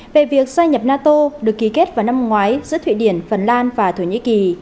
về việc gia nhập nato được ký kết vào năm ngoái giữa thụy điển phần lan và thổ nhĩ kỳ